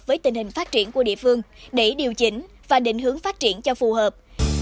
với tình hình phát triển của địa phương để điều chỉnh và định hướng phát triển cho phù hợp